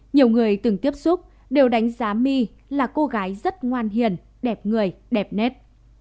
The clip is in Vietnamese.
nhiều người từng tiếp xúc đều đánh giá my là cô gái rất ngoan hiền đẹp người đẹp nét